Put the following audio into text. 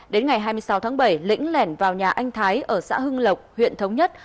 đến ngày hai mươi sáu tháng bảy lĩnh lẻn vào nhà anh thái ở xã hưng lộc huyện thống nhất